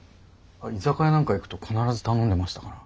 居酒屋なんか行くと必ず頼んでましたから。